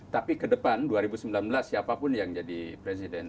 tapi ke depan dua ribu sembilan belas siapapun yang jadi presiden